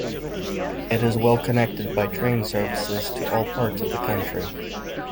It is well connected by train services to all parts of the country.